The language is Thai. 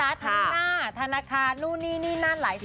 ท่านน่าท่านละครนู่นี่นี่นั่นหลายสิน